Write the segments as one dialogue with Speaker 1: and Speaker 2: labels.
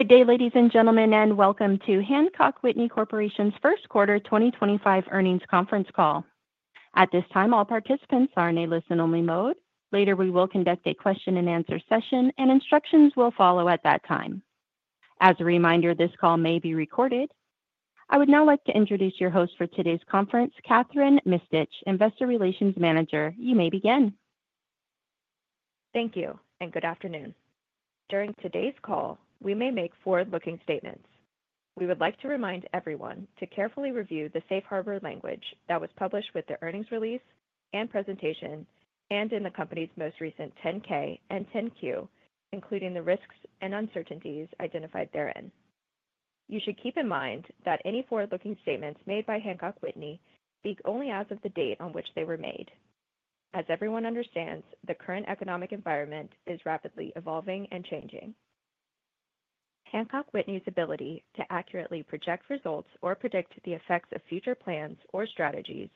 Speaker 1: Good day, ladies and gentlemen, and welcome to Hancock Whitney Corporation's First Quarter 2025 Earnings Conference Call. At this time, all participants are in a listen-only mode. Later, we will conduct a question-and-answer session, and instructions will follow at that time. As a reminder, this call may be recorded. I would now like to introduce your host for today's conference, Kathryn Mistich, Investor Relations Manager. You may begin.
Speaker 2: Thank you, and good afternoon. During today's call, we may make forward-looking statements. We would like to remind everyone to carefully review the safe harbor language that was published with the earnings release and presentation, and in the company's most recent 10-K and 10-Q, including the risks and uncertainties identified therein. You should keep in mind that any forward-looking statements made by Hancock Whitney speak only as of the date on which they were made. As everyone understands, the current economic environment is rapidly evolving and changing. Hancock Whitney's ability to accurately project results or predict the effects of future plans or strategies,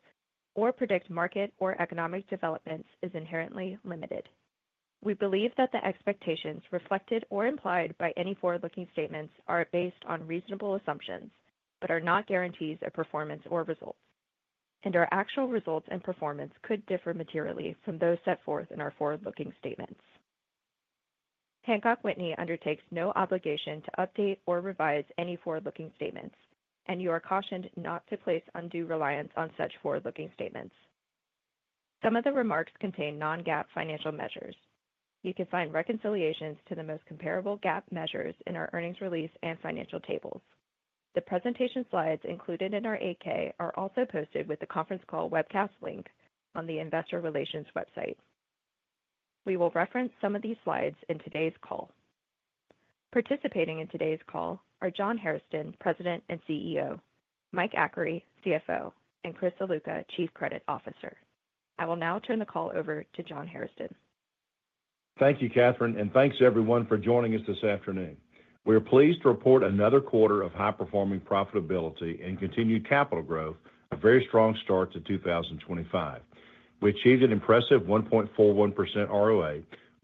Speaker 2: or predict market or economic developments, is inherently limited. We believe that the expectations reflected or implied by any forward-looking statements are based on reasonable assumptions but are not guarantees of performance or results, and our actual results and performance could differ materially from those set forth in our forward-looking statements. Hancock Whitney undertakes no obligation to update or revise any forward-looking statements, and you are cautioned not to place undue reliance on such forward-looking statements. Some of the remarks contain non-GAAP financial measures. You can find reconciliations to the most comparable GAAP measures in our earnings release and financial tables. The presentation slides included in our 8-K are also posted with the conference call webcast link on the Investor Relations website. We will reference some of these slides in today's call. Participating in today's call are John Hairston, President and CEO; Mike Achary, CFO; and Chris Ziluca, Chief Credit Officer. I will now turn the call over to John Hairston.
Speaker 3: Thank you, Kathryn, and thanks to everyone for joining us this afternoon. We are pleased to report another quarter of high-performing profitability and continued capital growth, a very strong start to 2025. We achieved an impressive 1.41% ROA,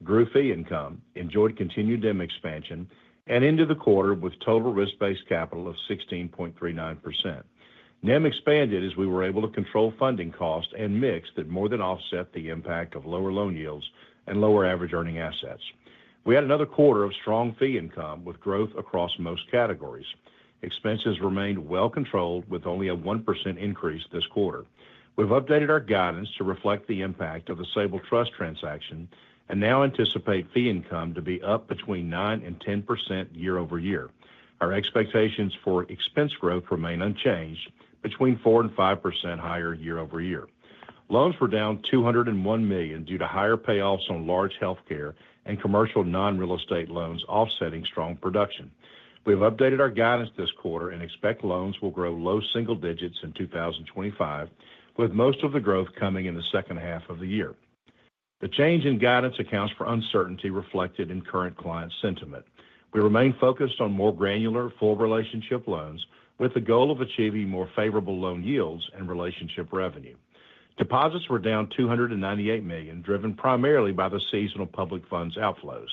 Speaker 3: grew fee income, enjoyed continued NIM expansion, and ended the quarter with total risk-based capital of 16.39%. NIM expanded as we were able to control funding costs and mix that more than offset the impact of lower loan yields and lower average earning assets. We had another quarter of strong fee income with growth across most categories. Expenses remained well controlled with only a 1% increase this quarter. We've updated our guidance to reflect the impact of the Sabal Trust transaction and now anticipate fee income to be up between 9-10% year-over-year. Our expectations for expense growth remain unchanged, between 4% and 5% higher year-over-year. Loans were down $201 million due to higher payoffs on large healthcare and commercial non-real estate loans offsetting strong production. We have updated our guidance this quarter and expect loans will grow low single digits in 2025, with most of the growth coming in the second half of the year. The change in guidance accounts for uncertainty reflected in current client sentiment. We remain focused on more granular, full relationship loans with the goal of achieving more favorable loan yields and relationship revenue. Deposits were down $298 million, driven primarily by the seasonal public funds outflows.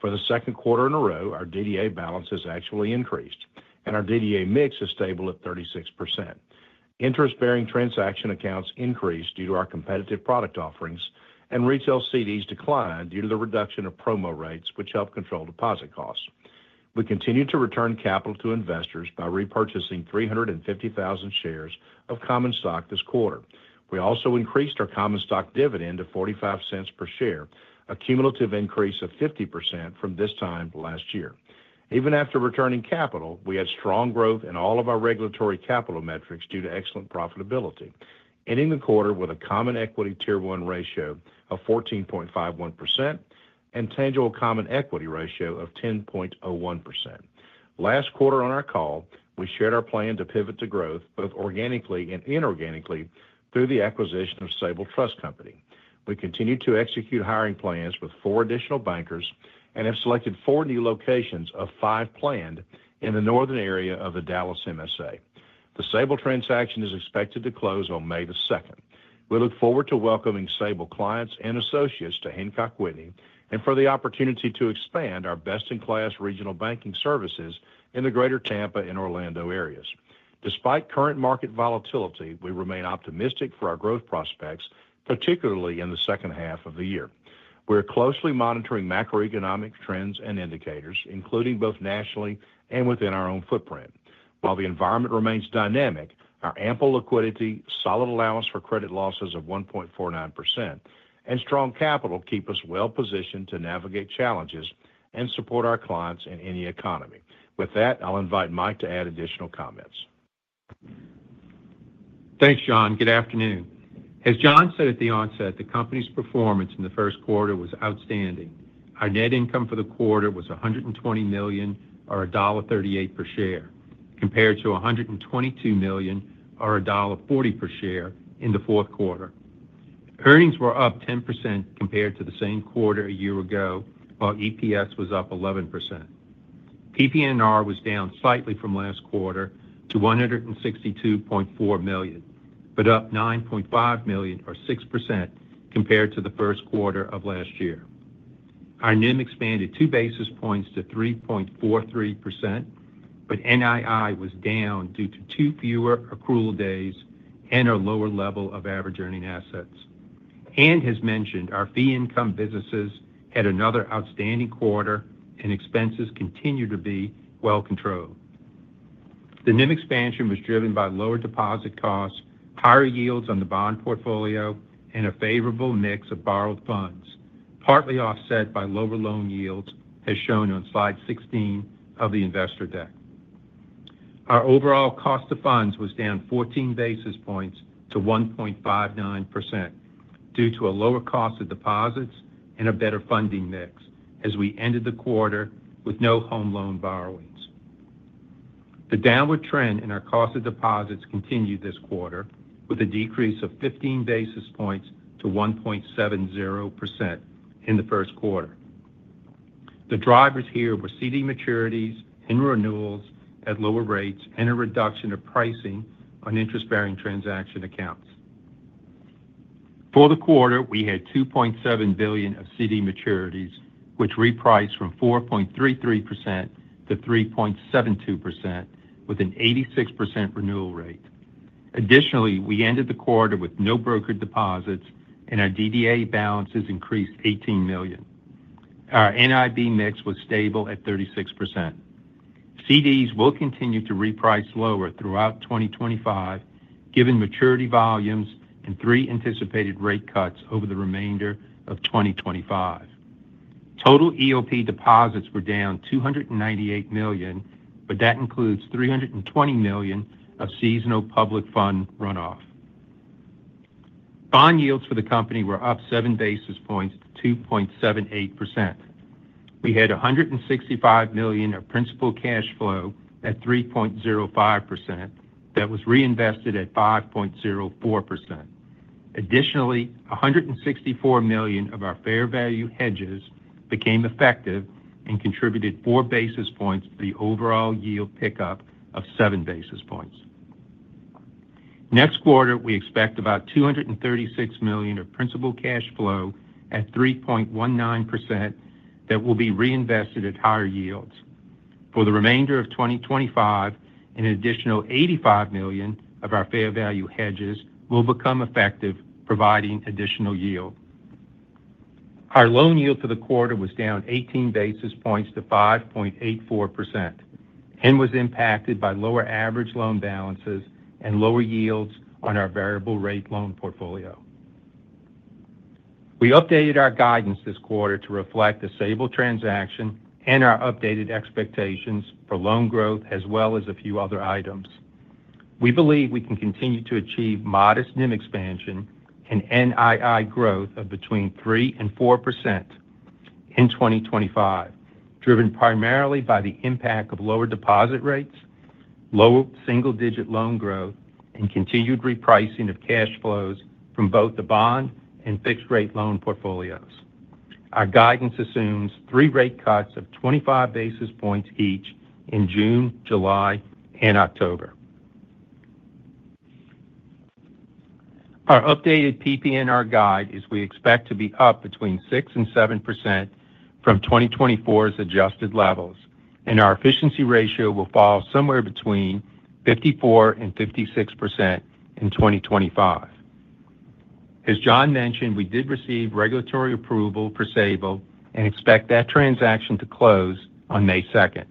Speaker 3: For the second quarter in a row, our DDA balance has actually increased, and our DDA mix is stable at 36%. Interest-bearing transaction accounts increased due to our competitive product offerings, and retail CDs declined due to the reduction of promo rates, which help control deposit costs. We continued to return capital to investors by repurchasing 350,000 shares of common stock this quarter. We also increased our common stock dividend to $0.45 per share, a cumulative increase of 50% from this time last year. Even after returning capital, we had strong growth in all of our regulatory capital metrics due to excellent profitability, ending the quarter with a Common Equity 1 ratio of 14.51% and tangible Common Equity ratio of 10.01%. Last quarter on our call, we shared our plan to pivot to growth both organically and inorganically through the acquisition of Sabal Trust Company. We continue to execute hiring plans with four additional bankers and have selected four new locations of five planned in the northern area of the Dallas MSA. The Sabal transaction is expected to close on May the 2nd. We look forward to welcoming Sabal clients and associates to Hancock Whitney and for the opportunity to expand our best-in-class regional banking services in the greater Tampa and Orlando areas. Despite current market volatility, we remain optimistic for our growth prospects, particularly in the second half of the year. We are closely monitoring macroeconomic trends and indicators, including both nationally and within our own footprint. While the environment remains dynamic, our ample liquidity, solid allowance for credit losses of 1.49%, and strong capital keep us well positioned to navigate challenges and support our clients in any economy. With that, I'll invite Mike to add additional comments.
Speaker 4: Thanks, John. Good afternoon. As John said at the onset, the company's performance in the first quarter was outstanding. Our net income for the quarter was $120 million or $1.38 per share, compared to $122 million or $1.40 per share in the fourth quarter. Earnings were up 10% compared to the same quarter a year ago, while EPS was up 11%. PPNR was down slightly from last quarter to $162.4 million, but up $9.5 million or 6% compared to the first quarter of last year. Our NIM expanded two basis points to 3.43%, but NII was down due to two fewer accrual days and our lower level of average earning assets. As mentioned, our fee-income businesses had another outstanding quarter, and expenses continued to be well controlled. The NIM expansion was driven by lower deposit costs, higher yields on the bond portfolio, and a favorable mix of borrowed funds, partly offset by lower loan yields, as shown on slide 16 of the investor deck. Our overall cost of funds was down 14 basis points to 1.59% due to a lower cost of deposits and a better funding mix, as we ended the quarter with no Home Loan borrowings. The downward trend in our cost of deposits continued this quarter, with a decrease of 15 basis points to 1.70% in the first quarter. The drivers here were CD maturities and renewals at lower rates and a reduction of pricing on interest-bearing transaction accounts. For the quarter, we had $2.7 billion of CD maturities, which repriced from 4.33% to 3.72%, with an 86% renewal rate. Additionally, we ended the quarter with no brokered deposits, and our DDA balances increased $18 million. Our NIB mix was stable at 36%. CDs will continue to reprice lower throughout 2025, given maturity volumes and three anticipated rate cuts over the remainder of 2025. Total EOP deposits were down $298 million, but that includes $320 million of seasonal public fund runoff. Bond yields for the company were up seven basis points to 2.78%. We had $165 million of principal cash flow at 3.05% that was reinvested at 5.04%. Additionally, $164 million of our fair value hedges became effective and contributed four basis points to the overall yield pickup of seven basis points. Next quarter, we expect about $236 million of principal cash flow at 3.19% that will be reinvested at higher yields. For the remainder of 2025, an additional $85 million of our fair value hedges will become effective, providing additional yield. Our loan yield for the quarter was down 18 basis points to 5.84% and was impacted by lower average loan balances and lower yields on our variable-rate loan portfolio. We updated our guidance this quarter to reflect the Sabal transaction and our updated expectations for loan growth, as well as a few other items. We believe we can continue to achieve modest NIM expansion and NII growth of between three-4% in 2025, driven primarily by the impact of lower deposit rates, lower single-digit loan growth, and continued repricing of cash flows from both the bond and fixed-rate loan portfolios. Our guidance assumes three rate cuts of 25 basis points each in June, July, and October. Our updated PPNR guide is we expect to be up between 6% and 7% from 2024's adjusted levels, and our efficiency ratio will fall somewhere between 54% and 56% in 2025. As John mentioned, we did receive regulatory approval for Sabal and expect that transaction to close on May 2nd.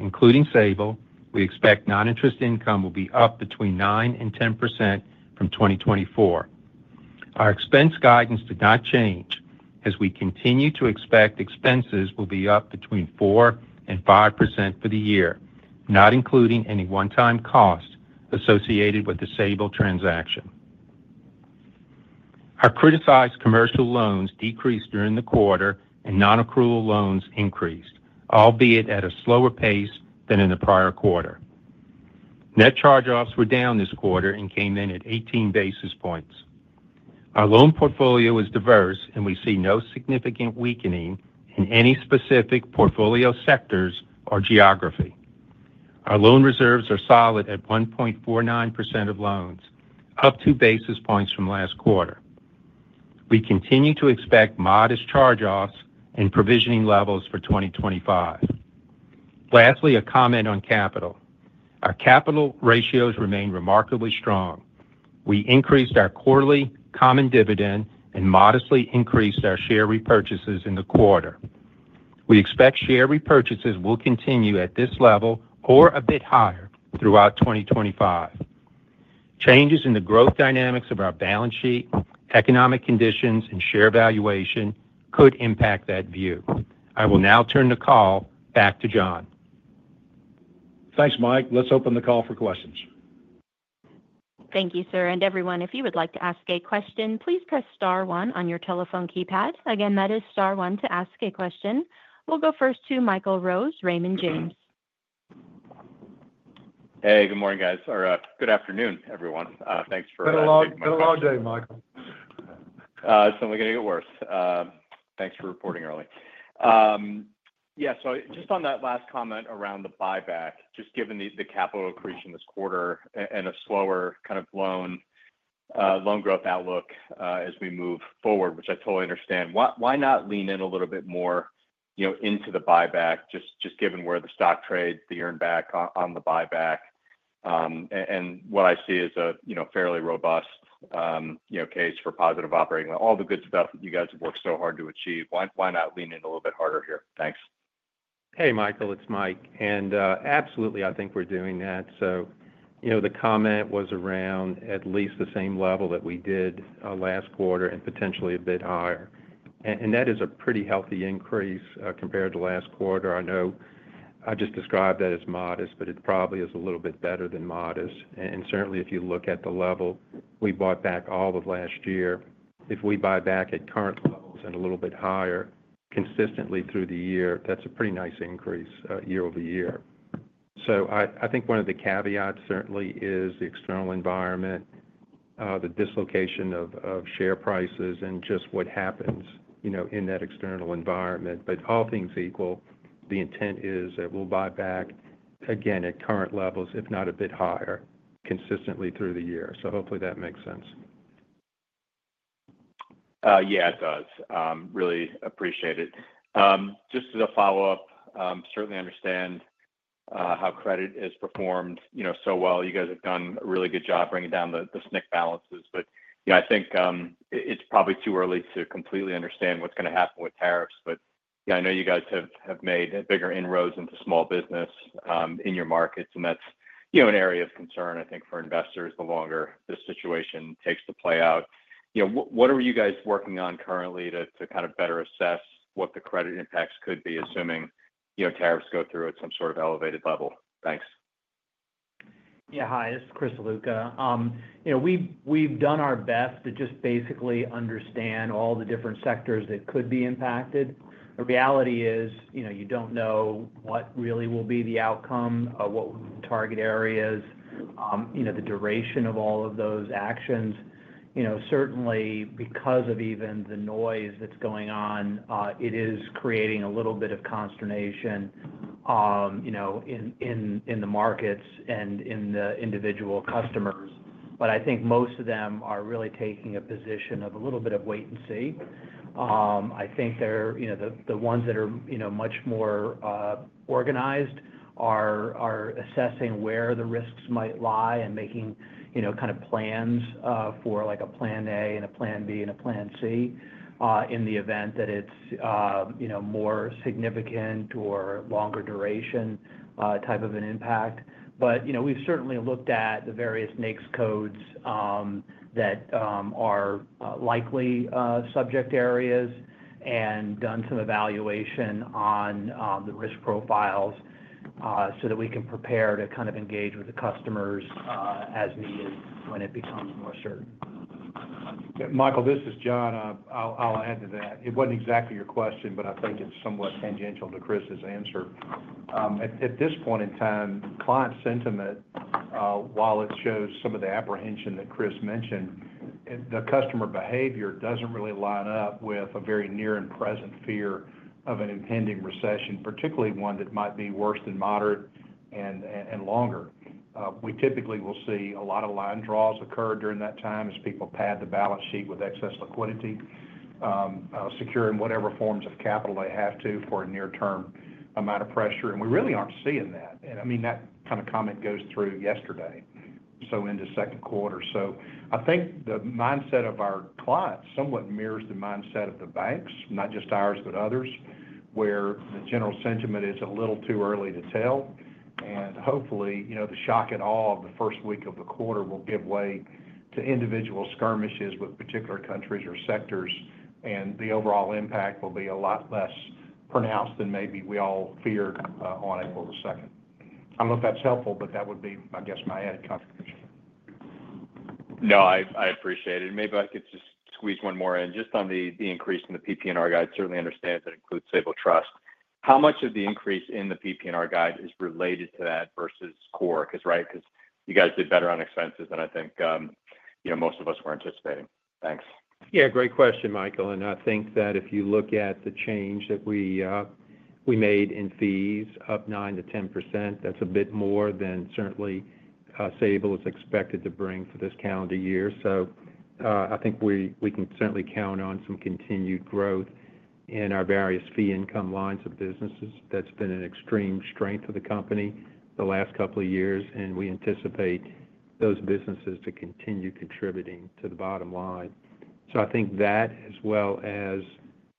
Speaker 4: Including Sabal, we expect non-interest income will be up between 9% and 10% from 2024. Our expense guidance did not change, as we continue to expect expenses will be up between 4% and 5% for the year, not including any one-time cost associated with the Sabal transaction. Our criticized commercial loans decreased during the quarter, and non-accrual loans increased, albeit at a slower pace than in the prior quarter. Net charge-offs were down this quarter and came in at 18 basis points. Our loan portfolio is diverse, and we see no significant weakening in any specific portfolio sectors or geography. Our loan reserves are solid at 1.49% of loans, up two basis points from last quarter. We continue to expect modest charge-offs and provisioning levels for 2025. Lastly, a comment on capital. Our capital ratios remain remarkably strong. We increased our quarterly common dividend and modestly increased our share repurchases in the quarter. We expect share repurchases will continue at this level or a bit higher throughout 2025. Changes in the growth dynamics of our balance sheet, economic conditions, and share valuation could impact that view. I will now turn the call back to John.
Speaker 3: Thanks, Mike. Let's open the call for questions.
Speaker 1: Thank you, sir. Everyone, if you would like to ask a question, please press star one on your telephone keypad. Again, that is star one to ask a question. We'll go first to Michael Rose, Raymond James.
Speaker 5: Hey, good morning, guys. Or, good afternoon, everyone. Thanks for.
Speaker 4: Good long day.
Speaker 5: Good long day, Mike. It's only going to get worse. Thanks for reporting early. Yeah, just on that last comment around the buyback, just given the capital accretion this quarter and a slower kind of loan growth outlook as we move forward, which I totally understand, why not lean in a little bit more into the buyback, just given where the stock trades, the earned back on the buyback, and what I see as a fairly robust case for positive operating? All the good stuff that you guys have worked so hard to achieve, why not lean in a little bit harder here? Thanks.
Speaker 4: Hey, Michael, it's Mike. Absolutely, I think we're doing that. The comment was around at least the same level that we did last quarter and potentially a bit higher. That is a pretty healthy increase compared to last quarter. I know I just described that as modest, but it probably is a little bit better than modest. Certainly, if you look at the level we bought back all of last year, if we buy back at current levels and a little bit higher consistently through the year, that's a pretty nice increase year-over-year. I think one of the caveats certainly is the external environment, the dislocation of share prices, and just what happens in that external environment. All things equal, the intent is that we'll buy back again at current levels, if not a bit higher, consistently through the year. Hopefully that makes sense.
Speaker 5: Yeah, it does. Really appreciate it. Just as a follow-up, certainly understand how credit is performed so well. You guys have done a really good job bringing down the SNC balances. I think it's probably too early to completely understand what's going to happen with tariffs. I know you guys have made bigger inroads into small business in your markets, and that's an area of concern, I think, for investors the longer this situation takes to play out. What are you guys working on currently to kind of better assess what the credit impacts could be, assuming tariffs go through at some sort of elevated level? Thanks.
Speaker 6: Yeah, hi. This is Chris Ziluca. We've done our best to just basically understand all the different sectors that could be impacted. The reality is you don't know what really will be the outcome of what target areas, the duration of all of those actions. Certainly, because of even the noise that's going on, it is creating a little bit of consternation in the markets and in the individual customers. I think most of them are really taking a position of a little bit of wait and see. I think the ones that are much more organized are assessing where the risks might lie and making kind of plans for a plan A and a plan B and a plan C in the event that it's more significant or longer duration type of an impact. We have certainly looked at the various NAICS codes that are likely subject areas and done some evaluation on the risk profiles so that we can prepare to kind of engage with the customers as needed when it becomes more certain.
Speaker 3: Michael, this is John. I'll add to that. It wasn't exactly your question, but I think it's somewhat tangential to Chris's answer. At this point in time, client sentiment, while it shows some of the apprehension that Chris mentioned, the customer behavior doesn't really line up with a very near and present fear of an impending recession, particularly one that might be worse than moderate and longer. We typically will see a lot of line draws occur during that time as people pad the balance sheet with excess liquidity, securing whatever forms of capital they have to for a near-term amount of pressure. I mean, that kind of comment goes through yesterday, so into second quarter. I think the mindset of our clients somewhat mirrors the mindset of the banks, not just ours, but others, where the general sentiment is a little too early to tell. Hopefully, the shock at all of the first week of the quarter will give way to individual skirmishes with particular countries or sectors, and the overall impact will be a lot less pronounced than maybe we all feared on April the 2nd. I do not know if that is helpful, but that would be, I guess, my added contribution.
Speaker 5: No, I appreciate it. Maybe I could just squeeze one more in. Just on the increase in the PPNR guide, certainly understand that includes Sabal Trust. How much of the increase in the PPNR guide is related to that versus core? Because you guys did better on expenses than I think most of us were anticipating. Thanks.
Speaker 4: Yeah, great question, Michael. I think that if you look at the change that we made in fees, up 9%-10%, that's a bit more than certainly Sabal is expected to bring for this calendar year. I think we can certainly count on some continued growth in our various fee income lines of businesses. That's been an extreme strength of the company the last couple of years, and we anticipate those businesses to continue contributing to the bottom line. I think that, as well as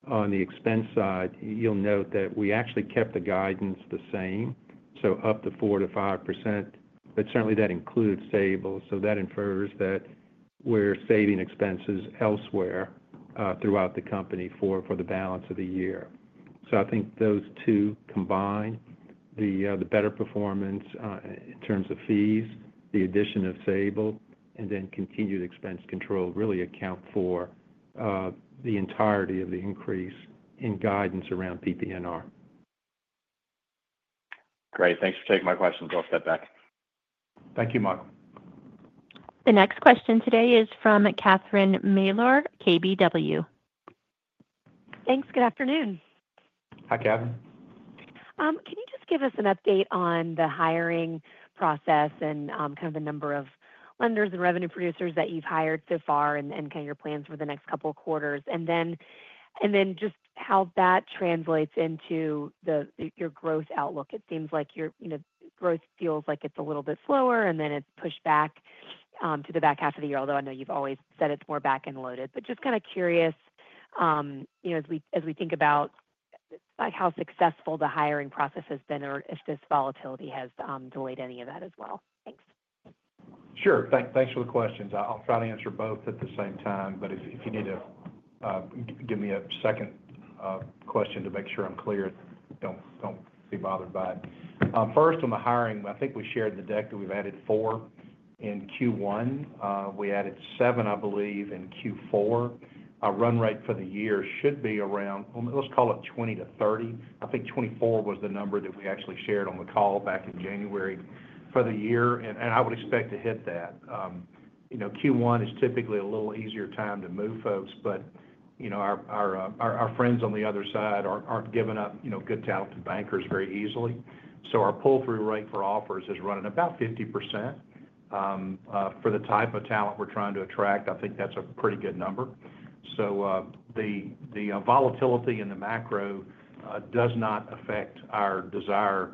Speaker 4: on the expense side, you'll note that we actually kept the guidance the same, so up to 4%-5%. Certainly, that includes Sabal, so that infers that we're saving expenses elsewhere throughout the company for the balance of the year. I think those two combined, the better performance in terms of fees, the addition of Sabal, and then continued expense control really account for the entirety of the increase in guidance around PPNR.
Speaker 5: Great. Thanks for taking my questions. I'll step back.
Speaker 4: Thank you, Michael.
Speaker 1: The next question today is from Catherine Mealor, KBW.
Speaker 7: Thanks. Good afternoon.
Speaker 4: Hi, Cath.
Speaker 7: Can you just give us an update on the hiring process and kind of the number of lenders and revenue producers that you've hired so far and kind of your plans for the next couple of quarters? Just how that translates into your growth outlook. It seems like your growth feels like it's a little bit slower, and it's pushed back to the back half of the year, although I know you've always said it's more back and loaded. Just kind of curious, as we think about how successful the hiring process has been or if this volatility has delayed any of that as well. Thanks.
Speaker 3: Sure. Thanks for the questions. I'll try to answer both at the same time, but if you need to give me a second question to make sure I'm clear, don't be bothered by it. First, on the hiring, I think we shared the deck that we've added four in Q1. We added seven, I believe, in Q4. Our run rate for the year should be around, let's call it 20-30. I think 24 was the number that we actually shared on the call back in January for the year, and I would expect to hit that. Q1 is typically a little easier time to move folks, but our friends on the other side aren't giving up good talented bankers very easily. So our pull-through rate for offers is running about 50%. For the type of talent we're trying to attract, I think that's a pretty good number. The volatility in the macro does not affect our desire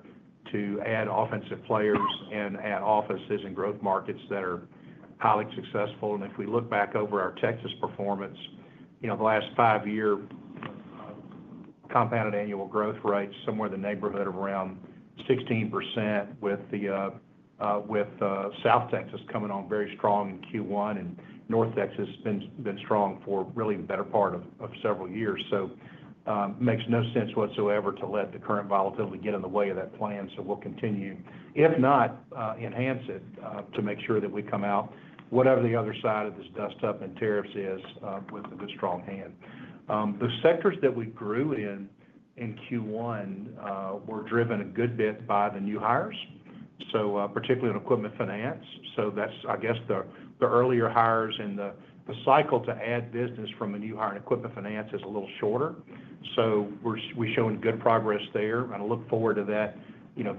Speaker 3: to add offensive players and add offices in growth markets that are highly successful. If we look back over our Texas performance, the last five-year compounded annual growth rate is somewhere in the neighborhood of around 16%, with South Texas coming on very strong in Q1, and North Texas has been strong for really the better part of several years. It makes no sense whatsoever to let the current volatility get in the way of that plan. We will continue, if not enhance it, to make sure that we come out, whatever the other side of this dust-up in tariffs is, with a good strong hand. The sectors that we grew in in Q1 were driven a good bit by the new hires, particularly in equipment finance. That is, I guess, the earlier hires, and the cycle to add business from a new hire in equipment finance is a little shorter. We are showing good progress there, and I look forward to that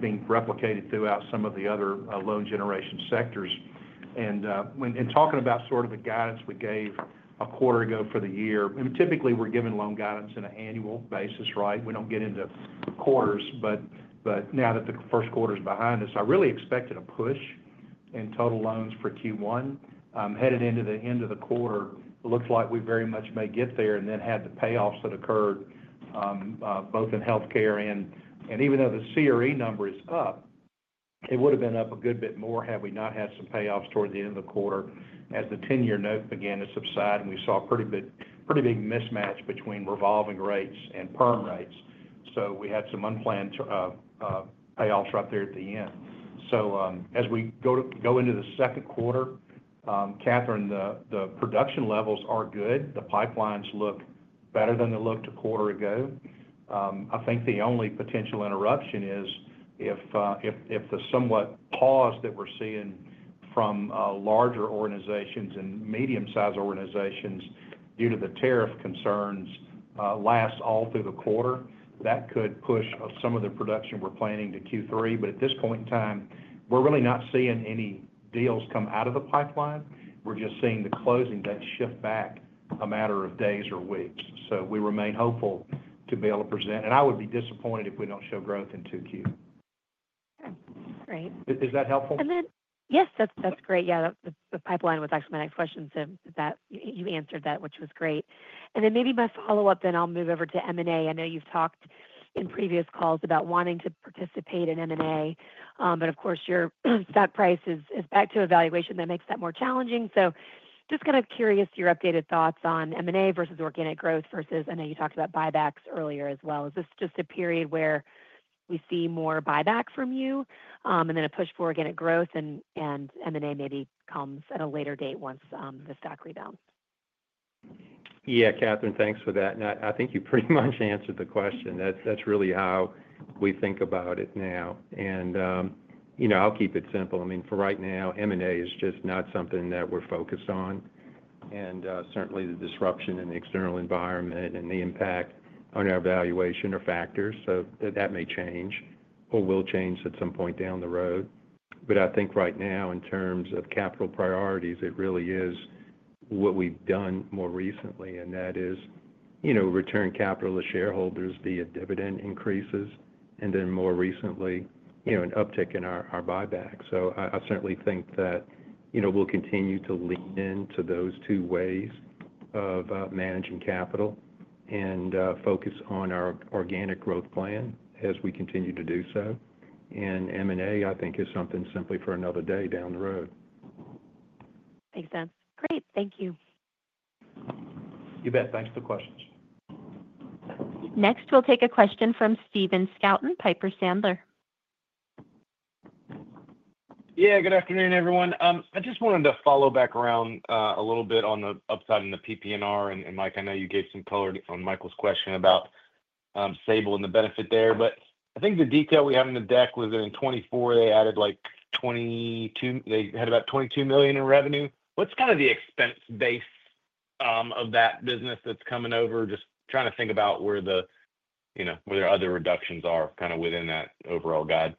Speaker 3: being replicated throughout some of the other loan generation sectors. Talking about sort of the guidance we gave a quarter ago for the year, typically we are giving loan guidance on an annual basis, right? We do not get into quarters, but now that the first quarter is behind us, I really expected a push in total loans for Q1. Headed into the end of the quarter, it looks like we very much may get there and then have the payoffs that occurred, both in healthcare and even though the CRE number is up, it would have been up a good bit more had we not had some payoffs toward the end of the quarter. As the 10-year note began to subside, we saw a pretty big mismatch between revolving rates and perm rates. We had some unplanned payoffs right there at the end. As we go into the second quarter, Catherine, the production levels are good. The pipelines look better than they looked a quarter ago. I think the only potential interruption is if the somewhat pause that we're seeing from larger organizations and medium-sized organizations due to the tariff concerns lasts all through the quarter, that could push some of the production we're planning to Q3. At this point in time, we're really not seeing any deals come out of the pipeline. We're just seeing the closing that shift back a matter of days or weeks. We remain hopeful to be able to present. I would be disappointed if we don't show growth in Q2.
Speaker 7: Okay. Great.
Speaker 4: Is that helpful?
Speaker 7: Yes, that's great. Yeah, the pipeline was actually my next question, so you answered that, which was great. Maybe my follow-up, then I'll move over to M&A. I know you've talked in previous calls about wanting to participate in M&A, but of course, your stock price is back to evaluation. That makes that more challenging. Just kind of curious your updated thoughts on M&A versus organic growth versus I know you talked about buybacks earlier as well. Is this just a period where we see more buyback from you and then a push for organic growth, and M&A maybe comes at a later date once the stock rebounds?
Speaker 4: Yeah, Catherine, thanks for that. I think you pretty much answered the question. That's really how we think about it now. I'll keep it simple. I mean, for right now, M&A is just not something that we're focused on. Certainly, the disruption in the external environment and the impact on our valuation are factors. That may change or will change at some point down the road. I think right now, in terms of capital priorities, it really is what we've done more recently, and that is return capital to shareholders via dividend increases, and then more recently, an uptick in our buyback. I certainly think that we'll continue to lean into those two ways of managing capital and focus on our organic growth plan as we continue to do so. M&A, I think, is something simply for another day down the road.
Speaker 7: Makes sense. Great. Thank you.
Speaker 3: You bet. Thanks for the questions.
Speaker 1: Next, we'll take a question from Stephen Scouten, Piper Sandler.
Speaker 8: Yeah, good afternoon, everyone. I just wanted to follow back around a little bit on the upside in the PPNR. And Mike, I know you gave some color on Michael's question about Sabal and the benefit there. I think the detail we have in the deck was that in 2024, they added like 22, they had about $22 million in revenue. What's kind of the expense base of that business that's coming over? Just trying to think about where there are other reductions are kind of within that overall guide.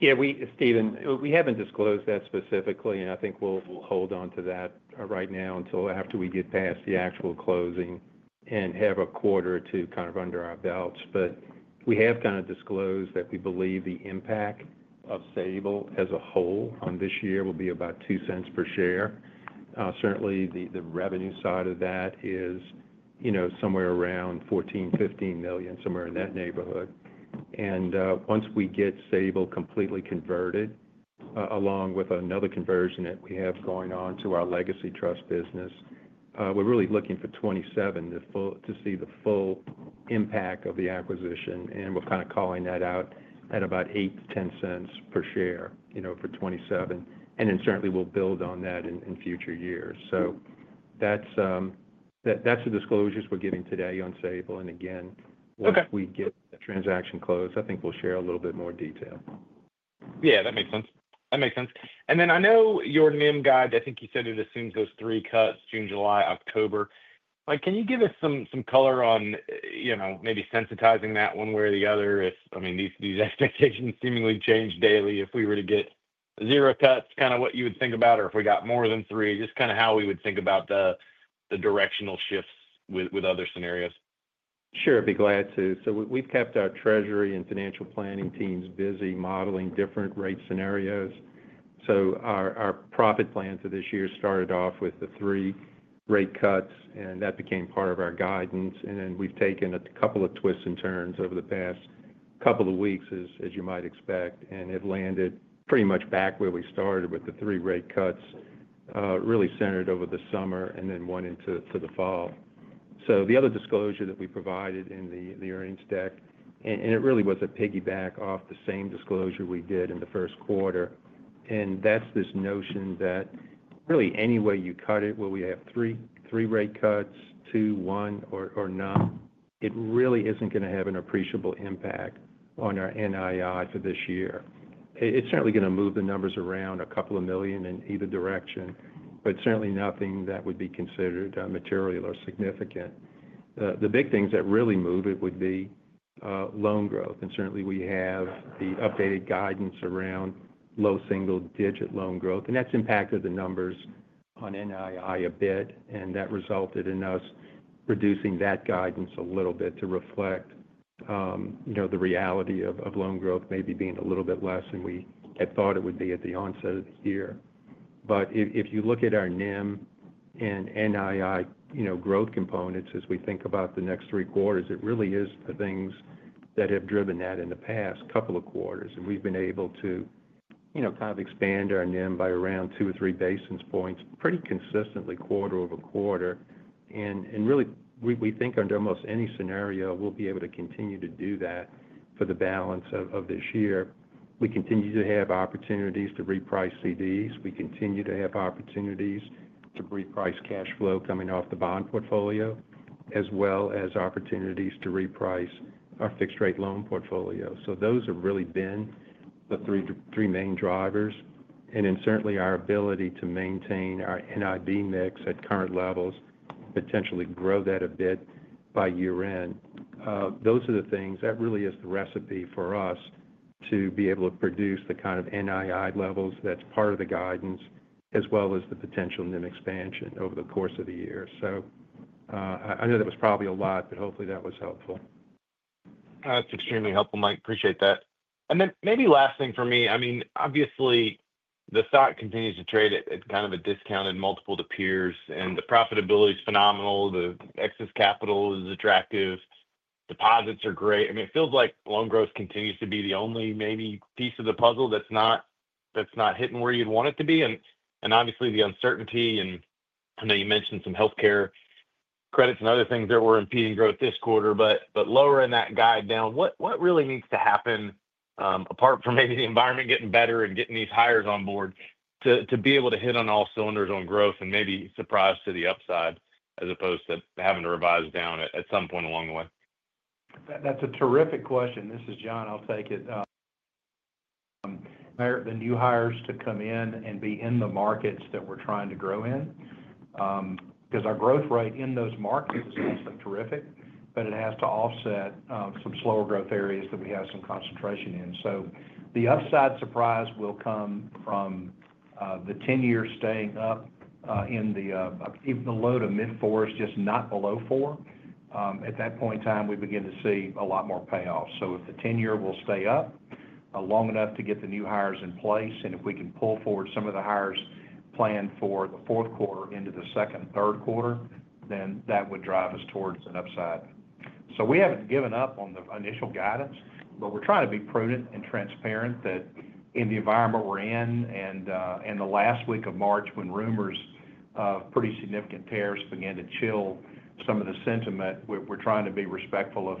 Speaker 4: Yeah, Stephen, we haven't disclosed that specifically. I think we'll hold on to that right now until after we get past the actual closing and have a quarter or two kind of under our belts. We have kind of disclosed that we believe the impact of Sabal as a whole on this year will be about $0.02 per share. Certainly, the revenue side of that is somewhere around $14 million-$15 million, somewhere in that neighborhood. Once we get Sabal completely converted, along with another conversion that we have going on to our legacy trust business, we're really looking for 2027 to see the full impact of the acquisition. We're kind of calling that out at about $0.08-$0.10 per share for 2027. Certainly, we'll build on that in future years. That's the disclosures we're giving today on Sabal. Once we get the transaction closed, I think we'll share a little bit more detail.
Speaker 8: Yeah, that makes sense. That makes sense. I know your NIM guide, I think you said it assumes those three cuts, June, July, October. Can you give us some color on maybe sensitizing that one way or the other? I mean, these expectations seemingly change daily. If we were to get zero cuts, kind of what you would think about? If we got more than three, just kind of how we would think about the directional shifts with other scenarios?
Speaker 4: Sure. I'd be glad to. We've kept our treasury and financial planning teams busy modeling different rate scenarios. Our profit plan for this year started off with the three rate cuts, and that became part of our guidance. We've taken a couple of twists and turns over the past couple of weeks, as you might expect, and have landed pretty much back where we started with the three rate cuts, really centered over the summer and then one into the fall. The other disclosure that we provided in the earnings deck really was a piggyback off the same disclosure we did in the first quarter. That's this notion that really any way you cut it, whether we have three rate cuts, two, one, or none, it really isn't going to have an appreciable impact on our NII for this year. It's certainly going to move the numbers around a couple of million in either direction, but certainly nothing that would be considered material or significant. The big things that really move it would be loan growth. We have the updated guidance around low single-digit loan growth. That's impacted the numbers on NII a bit, and that resulted in us reducing that guidance a little bit to reflect the reality of loan growth maybe being a little bit less than we had thought it would be at the onset of the year. If you look at our NIM and NII growth components as we think about the next three quarters, it really is the things that have driven that in the past couple of quarters. We've been able to kind of expand our NIM by around two or three basis points pretty consistently quarter-over-quarter. Really, we think under almost any scenario, we'll be able to continue to do that for the balance of this year. We continue to have opportunities to reprice CDs. We continue to have opportunities to reprice cash flow coming off the bond portfolio, as well as opportunities to reprice our fixed-rate loan portfolio. Those have really been the three main drivers. Certainly, our ability to maintain our NIB mix at current levels, potentially grow that a bit by year-end. Those are the things that really is the recipe for us to be able to produce the kind of NII levels that's part of the guidance, as well as the potential NIM expansion over the course of the year. I know that was probably a lot, but hopefully that was helpful.
Speaker 8: That's extremely helpful, Mike. Appreciate that. Maybe last thing for me. I mean, obviously, the stock continues to trade at kind of a discounted multiple to peers, and the profitability is phenomenal. The excess capital is attractive. Deposits are great. I mean, it feels like loan growth continues to be the only maybe piece of the puzzle that's not hitting where you'd want it to be. Obviously, the uncertainty, and I know you mentioned some healthcare credits and other things that were impeding growth this quarter, but lowering that guide down, what really needs to happen apart from maybe the environment getting better and getting these hires on board to be able to hit on all cylinders on growth and maybe surprise to the upside as opposed to having to revise down at some point along the way?
Speaker 3: That's a terrific question. This is John. I'll take it. The new hires to come in and be in the markets that we're trying to grow in, because our growth rate in those markets is absolutely terrific, but it has to offset some slower growth areas that we have some concentration in. The upside surprise will come from the 10-year staying up in even the low to mid-fours, just not below four. At that point in time, we begin to see a lot more payoffs. If the 10-year will stay up long enough to get the new hires in place, and if we can pull forward some of the hires planned for the fourth quarter into the second, third quarter, that would drive us towards an upside. We have not given up on the initial guidance, but we are trying to be prudent and transparent that in the environment we are in, and the last week of March when rumors of pretty significant tariffs began to chill some of the sentiment, we are trying to be respectful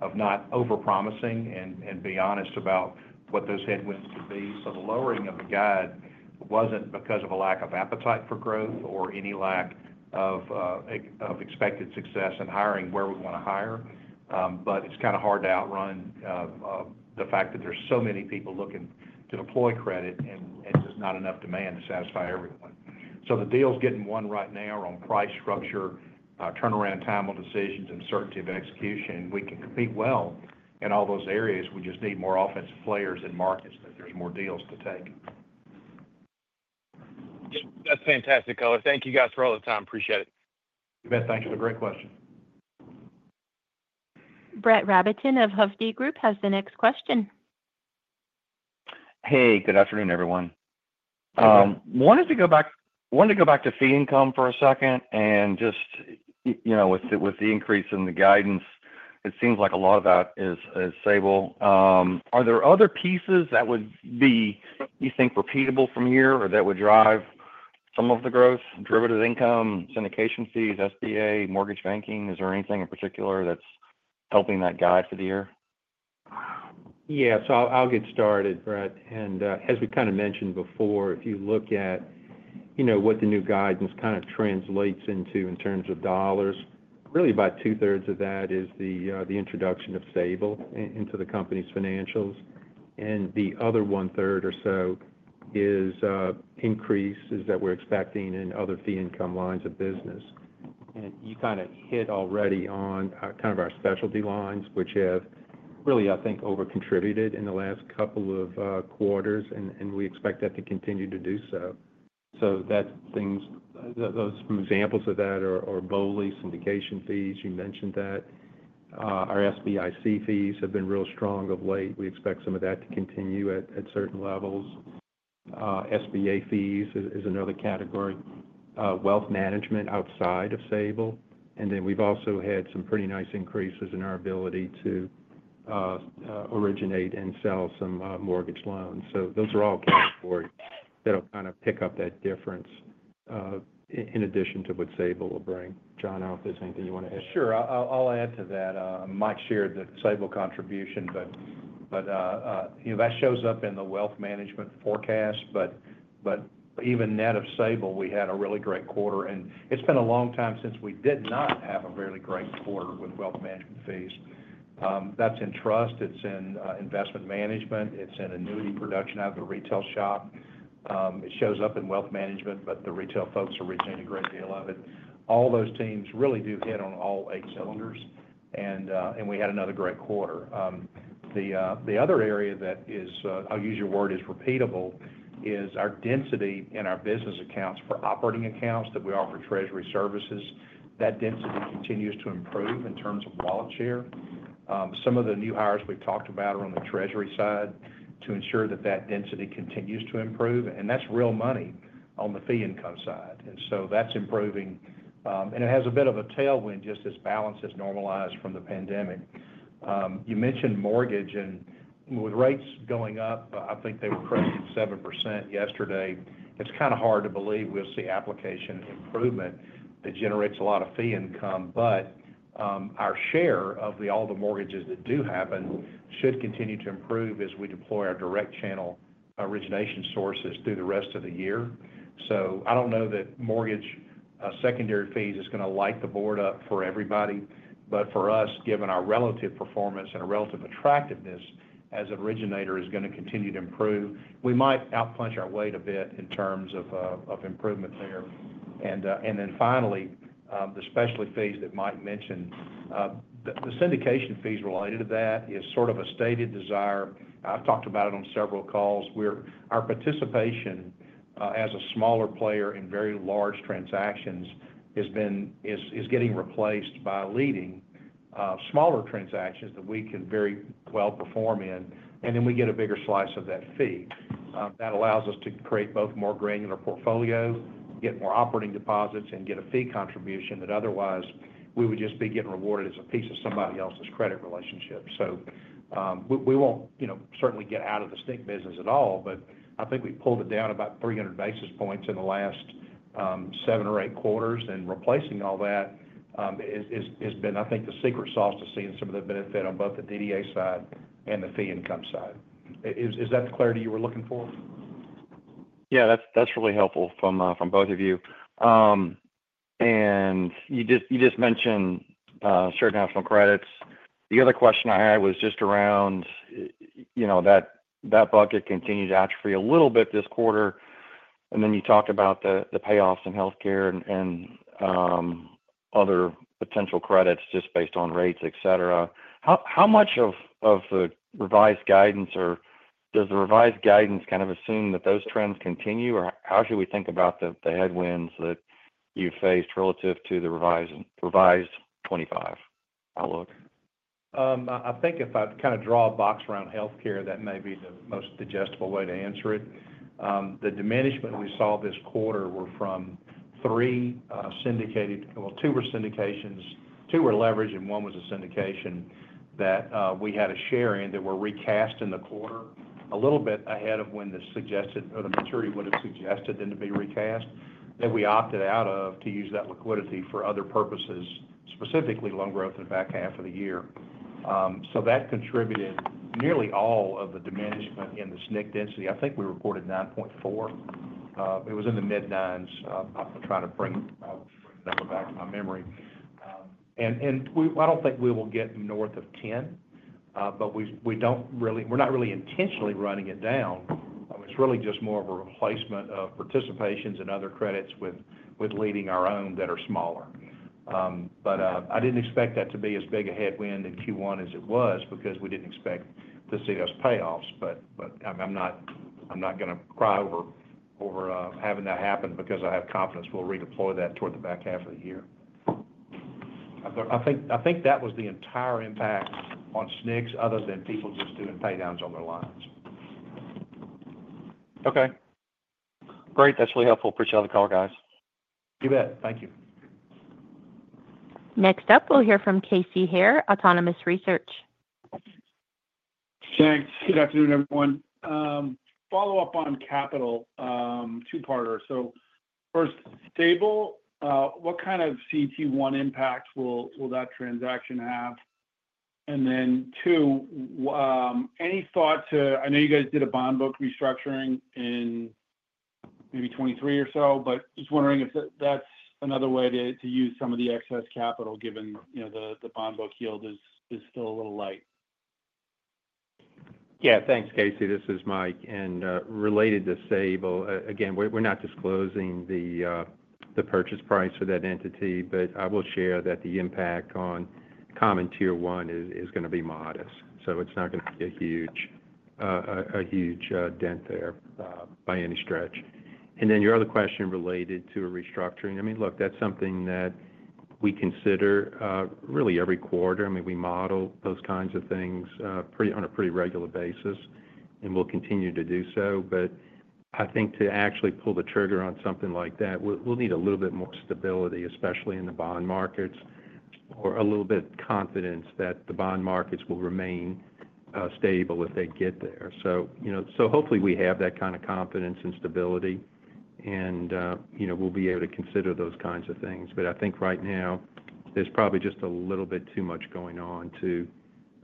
Speaker 3: of not over-promising and be honest about what those headwinds could be. The lowering of the guide was not because of a lack of appetite for growth or any lack of expected success in hiring where we want to hire. It is kind of hard to outrun the fact that there are so many people looking to deploy credit and just not enough demand to satisfy everyone. The deals getting won right now are on price structure, turnaround time on decisions, and certainty of execution. We can compete well in all those areas. We just need more offensive players in markets that there's more deals to take.
Speaker 8: That's fantastic, color. Thank you, guys, for all the time. Appreciate it.
Speaker 3: You bet. Thanks for the great question.
Speaker 1: Brett Rabatin of Hovde Group has the next question.
Speaker 9: Hey, good afternoon, everyone. Wanted to go back to fee income for a second. Just with the increase in the guidance, it seems like a lot of that is Sabal. Are there other pieces that would be, you think, repeatable from here or that would drive some of the growth, derivative income, syndication fees, SBA, mortgage banking? Is there anything in particular that's helping that guide for the year?
Speaker 4: Yeah. I'll get started, Brett. As we kind of mentioned before, if you look at what the new guidance kind of translates into in terms of dollars, really about two-thirds of that is the introduction of Sabal into the company's financials. The other one-third or so is increases that we're expecting in other fee income lines of business. You kind of hit already on our specialty lines, which have really, I think, over-contributed in the last couple of quarters, and we expect that to continue to do so. Examples of that are BOLI, syndication fees. You mentioned that. Our SBIC fees have been real strong of late. We expect some of that to continue at certain levels. SBA fees is another category. Wealth management outside of Sabal. We have also had some pretty nice increases in our ability to originate and sell some mortgage loans. Those are all categories that will kind of pick up that difference in addition to what Sabal will bring. John, if there is anything you want to add.
Speaker 3: Sure. I'll add to that. Mike shared the Sabal contribution, but that shows up in the wealth management forecast. Even net of Sabal, we had a really great quarter. It has been a long time since we did not have a really great quarter with wealth management fees. That is in trust. It is in investment management. It is in annuity production out of the retail shop. It shows up in wealth management, but the retail folks originate a great deal of it. All those teams really do hit on all eight cylinders. We had another great quarter. The other area that is, I'll use your word, repeatable is our density in our business accounts for operating accounts that we offer treasury services. That density continues to improve in terms of wallet share. Some of the new hires we've talked about are on the treasury side to ensure that that density continues to improve. That is real money on the fee income side. That is improving. It has a bit of a tailwind just as balance has normalized from the pandemic. You mentioned mortgage. With rates going up, I think they were correct at 7% yesterday. It is kind of hard to believe we will see application improvement that generates a lot of fee income. Our share of all the mortgages that do happen should continue to improve as we deploy our direct channel origination sources through the rest of the year. I do not know that mortgage secondary fees are going to light the board up for everybody. For us, given our relative performance and our relative attractiveness as an originator, it is going to continue to improve. We might outpunch our weight a bit in terms of improvement there. Finally, the specialty fees that Mike mentioned, the syndication fees related to that is sort of a stated desire. I've talked about it on several calls. Our participation as a smaller player in very large transactions is getting replaced by leading smaller transactions that we can very well perform in. We get a bigger slice of that fee. That allows us to create both more granular portfolio, get more operating deposits, and get a fee contribution that otherwise we would just be getting rewarded as a piece of somebody else's credit relationship. We won't certainly get out of the SNC business at all, but I think we pulled it down about 300 basis points in the last seven or eight quarters. Replacing all that has been, I think, the secret sauce to seeing some of the benefit on both the DDA side and the fee income side. Is that the clarity you were looking for?
Speaker 10: Yeah. That's really helpful from both of you. You just mentioned shared national credits. The other question I had was just around that bucket continued atrophy a little bit this quarter. You talked about the payoffs in healthcare and other potential credits just based on rates, etc. How much of the revised guidance, or does the revised guidance kind of assume that those trends continue? How should we think about the headwinds that you faced relative to the revised 2025 outlook?
Speaker 4: I think if I kind of draw a box around healthcare, that may be the most digestible way to answer it. The diminishment we saw this quarter were from three syndicated, well, two were syndications. Two were leveraged, and one was a syndication that we had a share in that were recast in the quarter a little bit ahead of when the suggested or the maturity would have suggested them to be recast. We opted out of to use that liquidity for other purposes, specifically loan growth in the back half of the year. That contributed nearly all of the diminishment in the SNC density. I think we reported 9.4. It was in the mid-9s. I'm trying to bring the number back to my memory. I don't think we will get north of 10, but we're not really intentionally running it down. It's really just more of a replacement of participations and other credits with leading our own that are smaller. I didn't expect that to be as big a headwind in Q1 as it was because we didn't expect to see those payoffs. I'm not going to cry over having that happen because I have confidence we'll redeploy that toward the back half of the year. I think that was the entire impact on SNCs other than people just doing paydowns on their lines.
Speaker 8: Okay. Great. That's really helpful. Appreciate all the call, guys.
Speaker 4: You bet. Thank you.
Speaker 1: Next up, we'll hear from Casey Haire, Autonomous Research.
Speaker 11: Thanks. Good afternoon, everyone. Follow-up on capital, two-parter. First, Sabal, what kind of CET1 impact will that transaction have? Then, any thoughts? I know you guys did a bond book restructuring in maybe 2023 or so, but just wondering if that's another way to use some of the excess capital given the bond book yield is still a little light.
Speaker 4: Yeah. Thanks, Casey. This is Mike. And related to Sabal, again, we're not disclosing the purchase price for that entity, but I will share that the impact on Common Tier 1 is going to be modest. It's not going to be a huge dent there by any stretch. Your other question related to a restructuring, I mean, look, that's something that we consider really every quarter. I mean, we model those kinds of things on a pretty regular basis, and we'll continue to do so. I think to actually pull the trigger on something like that, we'll need a little bit more stability, especially in the bond markets, or a little bit of confidence that the bond markets will remain stable if they get there. Hopefully, we have that kind of confidence and stability, and we'll be able to consider those kinds of things. I think right now, there's probably just a little bit too much going on to,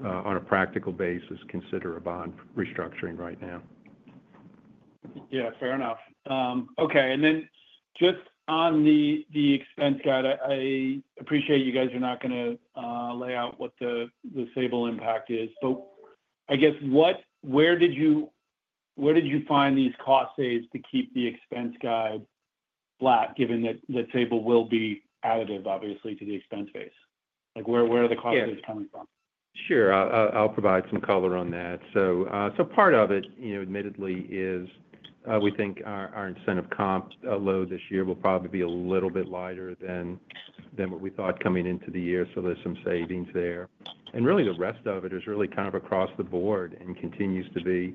Speaker 4: on a practical basis, consider a bond restructuring right now.
Speaker 11: Yeah. Fair enough. Okay. Just on the expense guide, I appreciate you guys are not going to lay out what the Sabal impact is. I guess, where did you find these cost saves to keep the expense guide flat, given that Sabal will be additive, obviously, to the expense base? Where are the cost saves coming from?
Speaker 4: Sure. I'll provide some color on that. Part of it, admittedly, is we think our incentive comp load this year will probably be a little bit lighter than what we thought coming into the year. There's some savings there. The rest of it is really kind of across the board and continues to be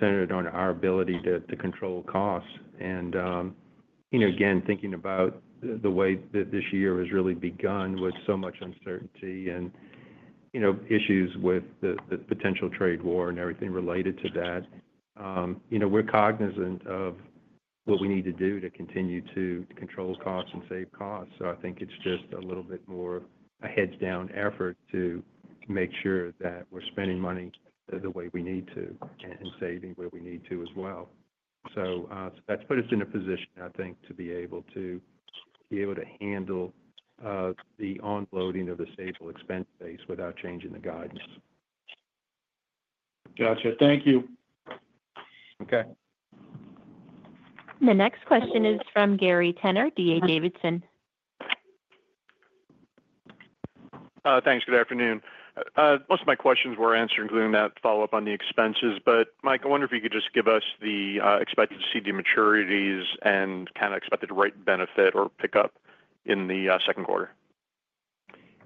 Speaker 4: centered on our ability to control costs. Again, thinking about the way that this year has really begun with so much uncertainty and issues with the potential trade war and everything related to that, we're cognizant of what we need to do to continue to control costs and save costs. I think it's just a little bit more a heads-down effort to make sure that we're spending money the way we need to and saving where we need to as well. That has put us in a position, I think, to be able to handle the onloading of the Sabal expense base without changing the guidance.
Speaker 11: Gotcha. Thank you.
Speaker 1: Okay. The next question is from Gary Tenner, D.A. Davidson.
Speaker 12: Thanks. Good afternoon. Most of my questions were answered, including that follow-up on the expenses. Mike, I wonder if you could just give us the expected CD maturities and kind of expected rate benefit or pickup in the second quarter.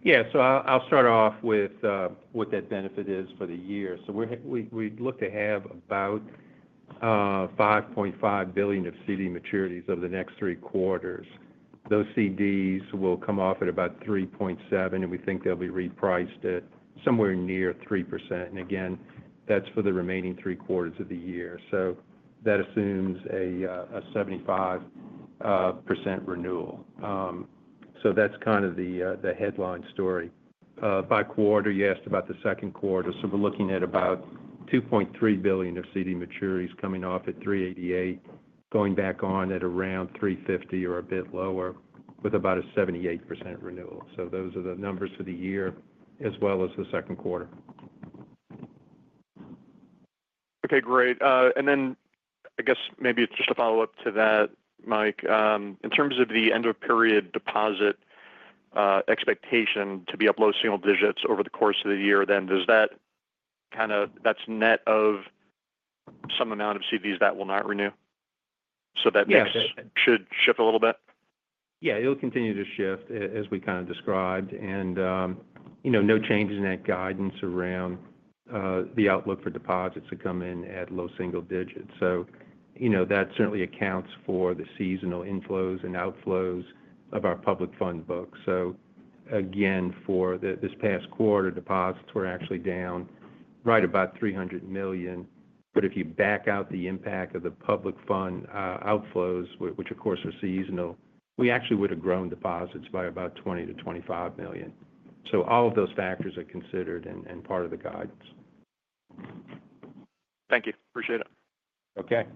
Speaker 4: Yeah. I'll start off with what that benefit is for the year. We'd look to have about $5.5 billion of CD maturities over the next three quarters. Those CDs will come off at about 3.7%, and we think they'll be repriced at somewhere near 3%. Again, that's for the remaining three quarters of the year. That assumes a 75% renewal. That's kind of the headline story. By quarter, you asked about the second quarter. We're looking at about $2.3 billion of CD maturities coming off at 3.88%, going back on at around 3.50% or a bit lower with about a 78% renewal. Those are the numbers for the year as well as the second quarter.
Speaker 12: Okay. Great. I guess maybe just a follow-up to that, Mike. In terms of the end-of-period deposit expectation to be up low single digits over the course of the year, does that kind of—that's net of some amount of CDs that will not renew? That should shift a little bit?
Speaker 4: Yeah. It'll continue to shift as we kind of described. No changes in that guidance around the outlook for deposits that come in at low single digits. That certainly accounts for the seasonal inflows and outflows of our public fund books. Again, for this past quarter, deposits were actually down right about $300 million. If you back out the impact of the public fund outflows, which of course are seasonal, we actually would have grown deposits by about $20-$25 million. All of those factors are considered and part of the guidance.
Speaker 12: Thank you. Appreciate it.
Speaker 4: Okay.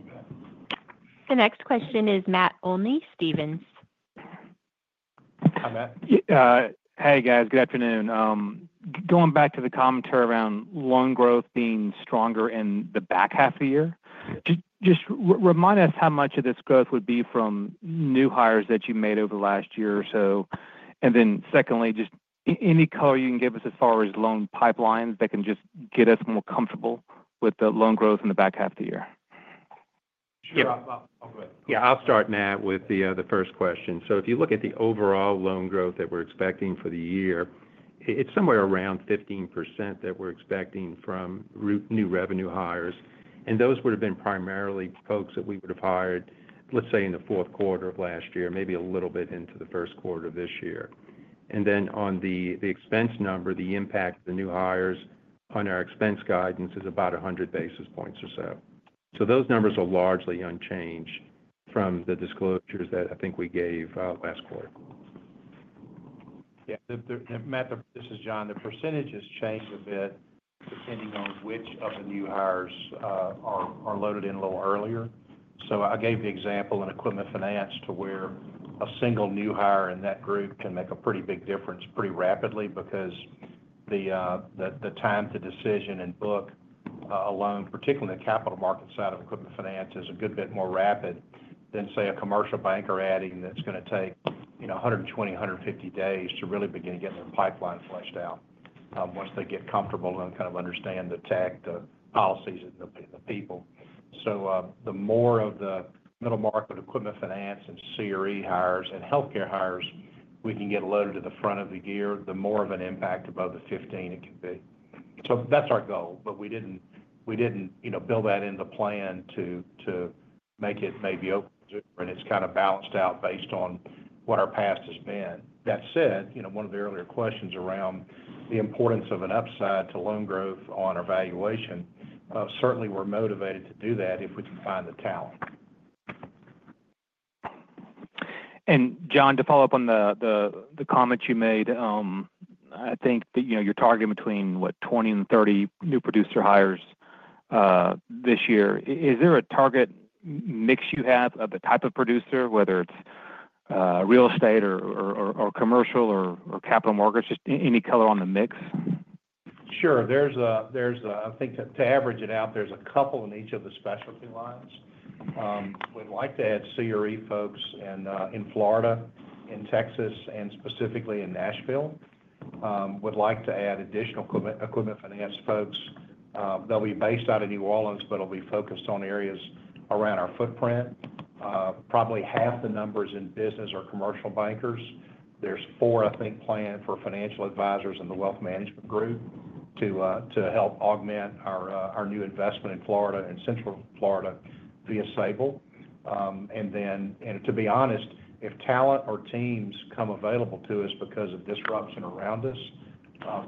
Speaker 1: The next question is Matt Olney, Stephens.
Speaker 3: Hi, Matt.
Speaker 13: Hey, guys. Good afternoon. Going back to the commentary around loan growth being stronger in the back half of the year, just remind us how much of this growth would be from new hires that you made over the last year or so. Secondly, just any color you can give us as far as loan pipelines that can just get us more comfortable with the loan growth in the back half of the year.
Speaker 4: Sure. I'll go ahead. Yeah. I'll start now with the first question. If you look at the overall loan growth that we're expecting for the year, it's somewhere around 15% that we're expecting from new revenue hires. Those would have been primarily folks that we would have hired, let's say, in the fourth quarter of last year, maybe a little bit into the first quarter of this year. On the expense number, the impact of the new hires on our expense guidance is about 100 basis points or so. Those numbers are largely unchanged from the disclosures that I think we gave last quarter.
Speaker 3: Yeah. Matt, this is John. The percentages change a bit depending on which of the new hires are loaded in a little earlier. I gave the example in equipment finance where a single new hire in that group can make a pretty big difference pretty rapidly because the time to decision and book a loan, particularly in the Capital Markets side of equipment finance, is a good bit more rapid than, say, a commercial banker adding that's going to take 120-150 days to really begin getting their pipeline flushed out once they get comfortable and kind of understand the tech, the policies, and the people. The more of the middle market equipment finance and CRE hires and healthcare hires we can get loaded to the front of the year, the more of an impact above the 15 it can be. That's our goal. We did not build that into the plan to make it maybe overdue when it is kind of balanced out based on what our past has been. That said, one of the earlier questions around the importance of an upside to loan growth on our valuation, certainly we are motivated to do that if we can find the talent.
Speaker 13: John, to follow up on the comment you made, I think that you're targeting between, what, 20 and 30 new producer hires this year. Is there a target mix you have of the type of producer, whether it's real estate or commercial or capital mortgage, just any color on the mix?
Speaker 3: Sure. I think to average it out, there's a couple in each of the specialty lines. We'd like to add CRE folks in Florida, in Texas, and specifically in Nashville. We'd like to add additional equipment finance folks. They'll be based out of New Orleans, but it'll be focused on areas around our footprint. Probably half the numbers in business are commercial bankers. There's four, I think, planned for financial advisors in the wealth management group to help augment our new investment in Florida and Central Florida via Sabal. To be honest, if talent or teams come available to us because of disruption around us,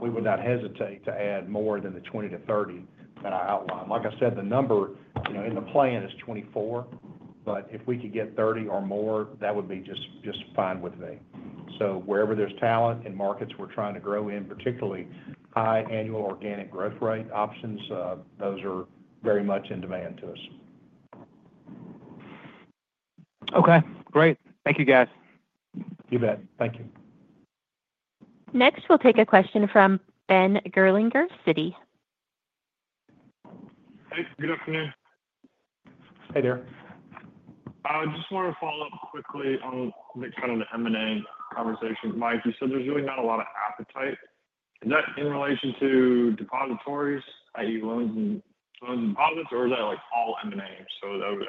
Speaker 3: we would not hesitate to add more than the 20-30 that I outlined. Like I said, the number in the plan is 24, but if we could get 30 or more, that would be just fine with me. Wherever there's talent in markets we're trying to grow in, particularly high annual organic growth rate options, those are very much in demand to us.
Speaker 13: Okay. Great. Thank you, guys.
Speaker 3: You bet. Thank you.
Speaker 1: Next, we'll take a question from Ben Gerlinger, Citi.
Speaker 14: Hey. Good afternoon.
Speaker 3: Hey there.
Speaker 14: I just wanted to follow up quickly on kind of the M&A conversation. Mike, you said there's really not a lot of appetite. Is that in relation to depositories, i.e., loans and deposits, or is that all M&A? That would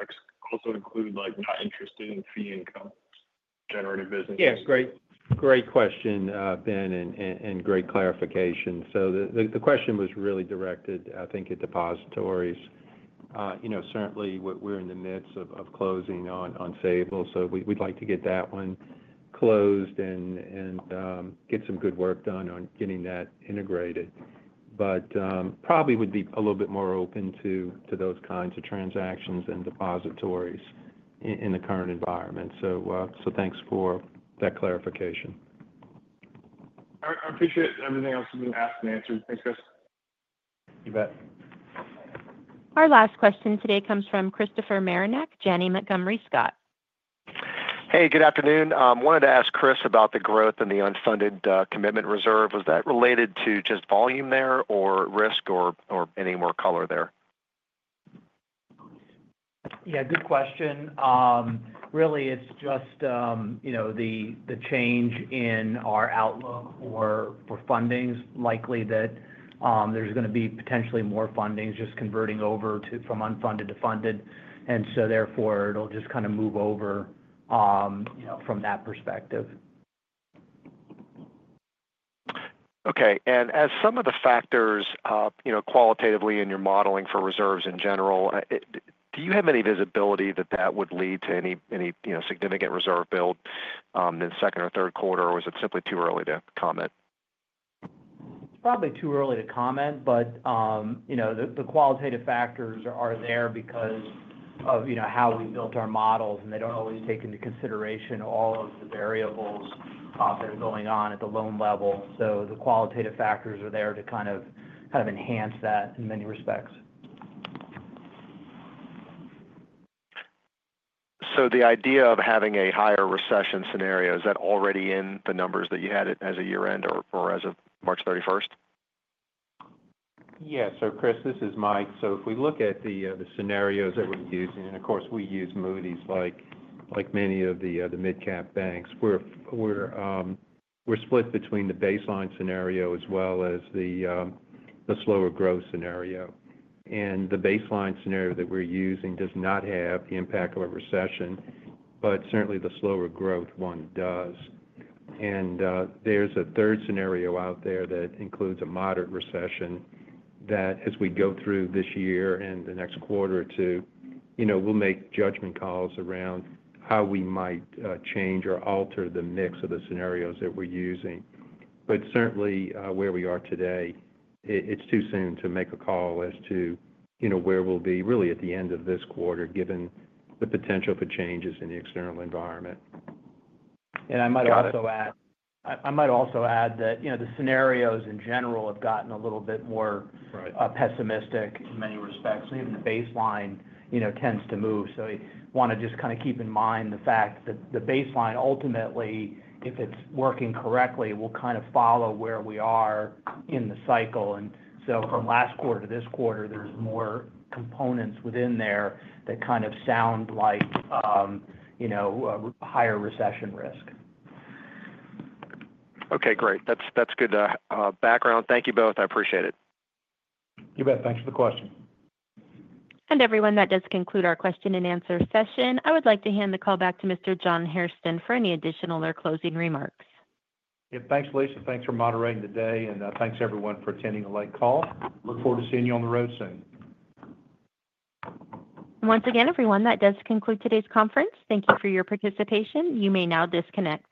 Speaker 14: also include not interested in fee-income generated business.
Speaker 4: Yeah. It's great. Great question, Ben, and great clarification. The question was really directed, I think, at depositories. Certainly, we're in the midst of closing on Sabal, so we'd like to get that one closed and get some good work done on getting that integrated. Probably would be a little bit more open to those kinds of transactions and depositories in the current environment. Thanks for that clarification.
Speaker 14: I appreciate everything else you've been asked and answered. Thanks, Chris.
Speaker 3: You bet.
Speaker 1: Our last question today comes from Christopher Marinac, Janney Montgomery Scott.
Speaker 15: Hey. Good afternoon. I wanted to ask Chris about the growth and the unfunded commitment reserve. Was that related to just volume there or risk or any more color there?
Speaker 3: Yeah. Good question. Really, it's just the change in our outlook for fundings, likely that there's going to be potentially more fundings just converting over from unfunded to funded. Therefore, it'll just kind of move over from that perspective.
Speaker 15: Okay. As some of the factors qualitatively in your modeling for reserves in general, do you have any visibility that that would lead to any significant reserve build in the second or third quarter, or is it simply too early to comment?
Speaker 3: It's probably too early to comment, but the qualitative factors are there because of how we built our models, and they don't always take into consideration all of the variables that are going on at the loan level. The qualitative factors are there to kind of enhance that in many respects.
Speaker 15: The idea of having a higher recession scenario, is that already in the numbers that you had as a year-end or as of March 31?
Speaker 4: Yeah. Chris, this is Mike. If we look at the scenarios that we're using, and of course, we use Moody's like many of the mid-cap banks. We're split between the baseline scenario as well as the slower growth scenario. The baseline scenario that we're using does not have the impact of a recession, but certainly, the slower growth one does. There is a third scenario out there that includes a moderate recession that, as we go through this year and the next quarter or two, we'll make judgment calls around how we might change or alter the mix of the scenarios that we're using. Certainly, where we are today, it's too soon to make a call as to where we'll be really at the end of this quarter given the potential for changes in the external environment.
Speaker 3: I might also add that the scenarios in general have gotten a little bit more pessimistic in many respects. Even the baseline tends to move. I want to just kind of keep in mind the fact that the baseline, ultimately, if it's working correctly, will kind of follow where we are in the cycle. From last quarter to this quarter, there's more components within there that kind of sound like higher recession risk.
Speaker 15: Okay. Great. That's good background. Thank you both. I appreciate it.
Speaker 3: You bet. Thanks for the question.
Speaker 1: That does conclude our question and answer session. I would like to hand the call back to Mr. John Hairston for any additional or closing remarks.
Speaker 3: Yeah. Thanks, Lisa. Thanks for moderating today. Thanks everyone for attending a late call. Look forward to seeing you on the road soon.
Speaker 1: Once again, everyone, that does conclude today's conference. Thank you for your participation. You may now disconnect.